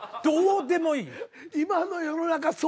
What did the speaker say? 「どうでもいい」の連発。